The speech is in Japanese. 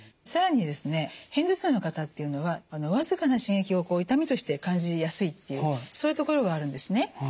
更にですね片頭痛の方っていうのは僅かな刺激を痛みとして感じやすいというそういうところがあるんですね。